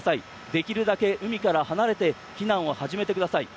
できるだけ海から離れて避難を始めてください。